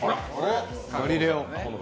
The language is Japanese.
ガリレオ。